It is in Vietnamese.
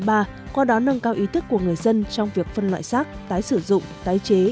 qua đó nâng cao ý thức của người dân trong việc phân loại xác tái sử dụng tái chế